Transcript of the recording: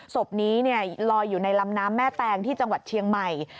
ศพนี้ลอยอยู่ในลำน้ำแม่แตงที่จังหวัดเชียงใหม่